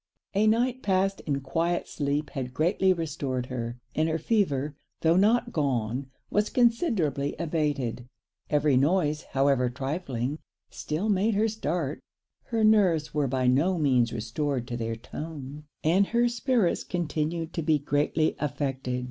A night passed in quiet sleep had greatly restored her; and her fever, though not gone, was considerably abated. Every noise, however trifling, still made her start; her nerves were by no means restored to their tone, and her spirits continued to be greatly affected.